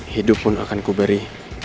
hidup pun akan kuberi